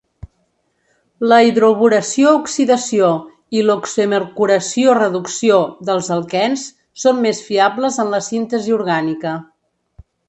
La hidroboració-oxidació i l'oximercuració-reducció dels alquens són més fiables en la síntesi orgànica.